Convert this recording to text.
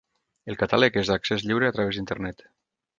El catàleg és d'accés lliure a través d'internet.